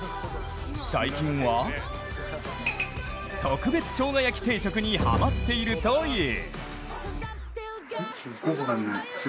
最近は特別生姜焼き定食にハマっているという。